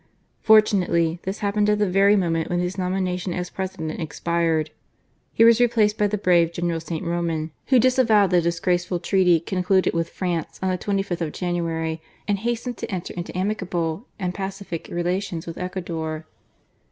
Fortunately, this happened at the very moment when his nomination as President expired. He was replaced by the brave General St. Roman, who disavowed the disgraceful treaty concluded with France on the 25th of January, and hastened to enter into amicable and pacific relations with Ecuador.